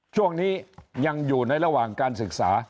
ช่วงนี้ยังอยู่ในระหว่างการศึกษา